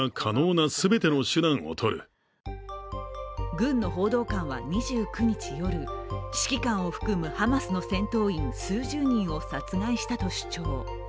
軍の報道官は２９日夜、指揮官を含むハマスの戦闘員数十人を殺害したと主張。